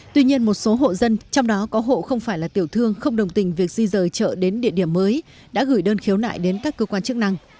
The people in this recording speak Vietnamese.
tuy nhiên một số hộ dân trong đó có hộ không phải là tiểu thương không đồng tình việc di rời chợ đến địa điểm mới đã gửi đơn khiếu nại đến các cơ quan chức năng